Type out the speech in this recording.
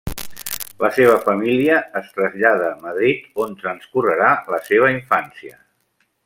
La seva família es trasllada a Madrid, on transcorrerà la seva infància.